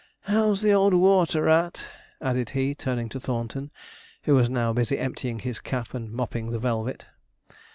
How's the old water rat?' added he, turning to Thornton, who was now busy emptying his cap and mopping the velvet.